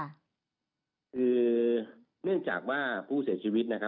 คือเนื่องจากว่าผู้เสียชีวิตนะครับ